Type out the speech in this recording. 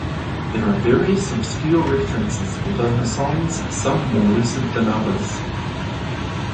There are various obscure references within the songs, some more lucid than others.